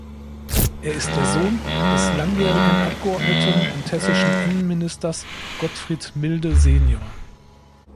Er ist der Sohn des langjährigen Abgeordneten und hessischen Innenministers Gottfried Milde senior.